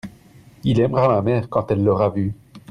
il aimera ma mère quand elle l'aura vue.